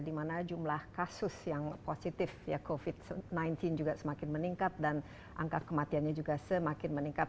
di mana jumlah kasus yang positif covid sembilan belas juga semakin meningkat dan angka kematiannya juga semakin meningkat